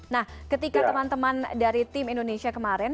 nah ketika teman teman dari tim indonesia kemarin